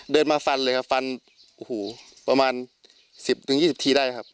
เดินมาฟันเลยครับฟันโอ้โหประมาณ๑๐๒๐ทีได้ครับ